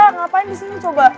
ngapain di sini coba